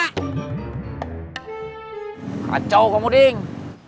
kacau kamu ding